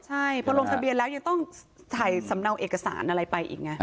ใช่พอลงทะเบียนแล้วยังต้องถ่ายสำเนาเอกสารอะไรไปอีกไง